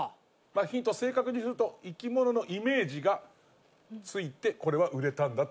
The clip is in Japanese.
ヒントを正確にすると生き物のイメージがついてこれは売れたんだと思います。